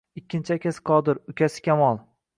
Ikkinchi akasi Qodir, ukasi Kamol